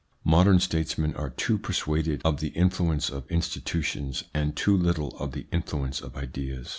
Modern statesmen are too persuaded of the influence of institutions and too little of the influence of ideas.